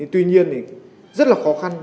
tuy nhiên rất là khó khăn